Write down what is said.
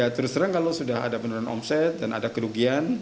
terus terang kalau sudah ada penurunan omset dan ada kerugian